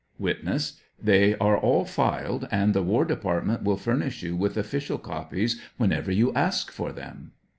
Witness. They are all filed, and the War Department will furnish you with official copies whenever you ask for them.